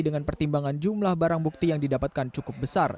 dengan pertimbangan jumlah barang bukti yang didapatkan cukup besar